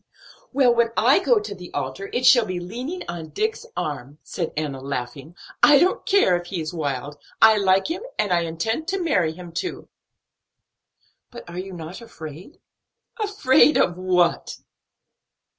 "Well, when I go to the altar, it shall be leaning on Dick's arm," said Enna, laughing. "I don't care if he is wild; I like him, and intend to marry him too." "But are you not afraid?" "Afraid of what?"